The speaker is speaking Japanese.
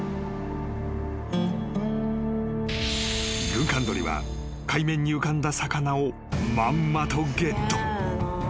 ［グンカンドリは海面に浮かんだ魚をまんまとゲット］